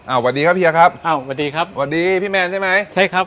สวัสดีครับเฮียครับอ้าวสวัสดีครับสวัสดีพี่แมนใช่ไหมใช่ครับ